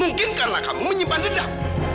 mungkin karena kamu menyimpan dendam